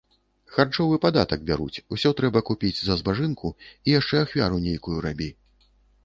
Харчовы падатак бяруць, усё трэба купiць за збажынку i яшчэ ахвяру нейкую рабi...